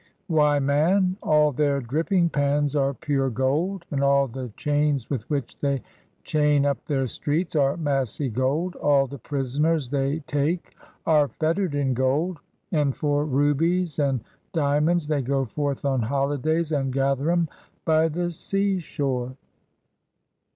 Why, man, all their dripping pans are pure gold, and all the chains with which they chain up their streets are massy gold; all the prisoners they take are fettered in gold; and for rubies and diamonds they go forth on holidays and gather *em by the seashore!